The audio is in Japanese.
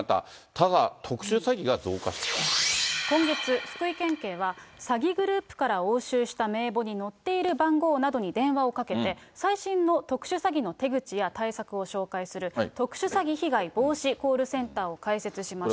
ただ、今月、福井県警は、詐欺グループから押収した名簿に載っている番号などに電話をかけて、最新の特殊詐欺の手口や対策を紹介する特殊詐欺被害防止コールセンターを開設しました。